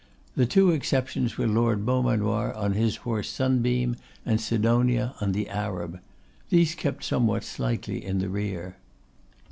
The two exceptions were Lord Beaumanoir on his horse Sunbeam, and Sidonia on the Arab. These kept somewhat slightly in the rear.